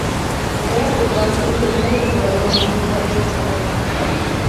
Era por tanto, sobrina del emperador Manuel I Comneno.